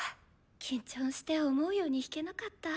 緊張して思うように弾けなかった。